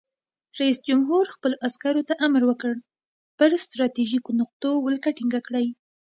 رئیس جمهور خپلو عسکرو ته امر وکړ؛ پر ستراتیژیکو نقطو ولکه ټینګه کړئ!